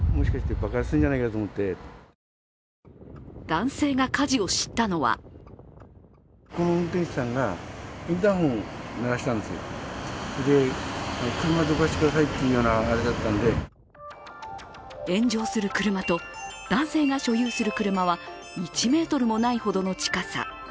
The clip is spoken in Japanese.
男性が火事を知ったのは炎上する車と男性が所有する車は１ｍもないほどの近さ。